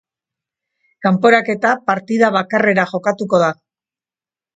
Kanporaketa partida bakarrera jokatuko da.